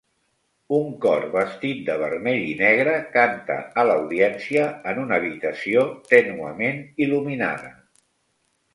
Un cor vestit de vermell i negre canta a l'audiència en una habitació tènuement il·luminada.